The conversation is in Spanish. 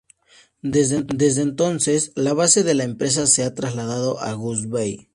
Desde entonces, la base de la empresa se ha trasladado a Goose Bay.